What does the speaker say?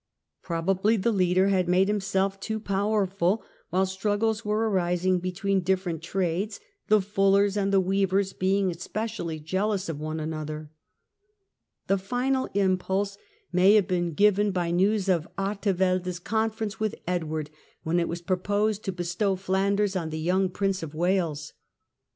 Probably the leader had made himself too yekietl345 powerful, while struggles were arising between different trades, the fullers and the weavers being especially jealous of one another. The final impulse may have been given 136 THE END OF THE MIDDLE AGE by news of Artevelde's conference with Edward, when it was proposed to bestow Flanders on the young Prince of Wales.